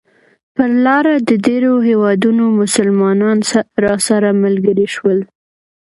پر لاره د ډېرو هېوادونو مسلمانان راسره ملګري شول.